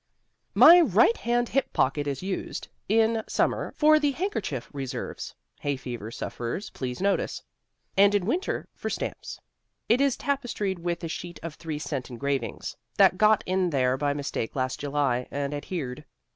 My right hand hip pocket is used, in summer, for the handkerchief reserves (hayfever sufferers, please notice); and, in winter, for stamps. It is tapestried with a sheet of three cent engravings that got in there by mistake last July, and adhered.